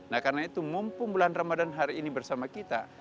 nah karena itu mumpung bulan ramadan hari ini bersama kita